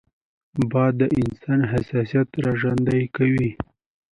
باد د انسان احساسات راژوندي کوي